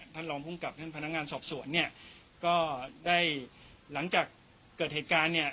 ท่านรองภูมิกับท่านพนักงานสอบสวนเนี่ยก็ได้หลังจากเกิดเหตุการณ์เนี่ย